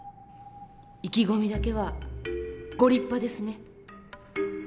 意気込みだけはご立派ですね。